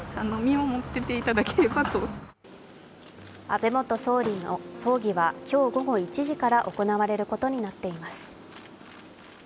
安倍元総理の葬儀は今日午後１時から行われることになっています。